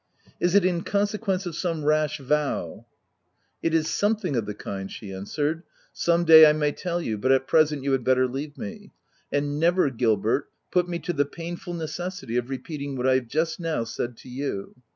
" Is it in consequence of some rash vow ?"" It is something of the kind," she answered —" some day I may tell you, but, at present you had better leave me ; and never, Gilbert, put me to the painful necessity of repeating what I have just now said to you!"